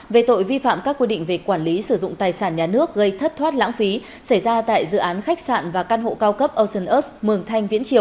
về tội vi phạm các quy định về quản lý sử dụng tài sản nhà nước gây thất thoát lãng phí xảy ra tại dự án khách sạn và căn hộ cao cấp